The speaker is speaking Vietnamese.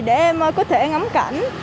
để em có thể ngắm cảnh